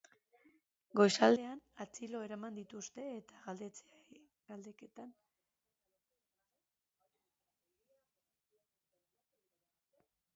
Goizaldean atxilo eraman dituzte eta galdekatzen ari dira.